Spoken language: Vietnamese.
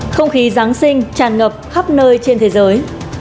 không khí giáng sinh tràn ngập khắp nơi trên thế giới